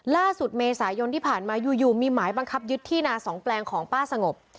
ล่าสุดเมษายนที่ผ่านมาอยู่มีหมายบังคับยึดที่นาสองแปลงของป้าสงบ